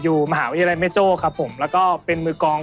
อยู่มหาวิทยาลัยเมจโชแล้วก็เป็นมือกอง